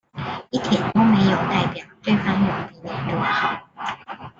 一點都沒有代表對方有比你多好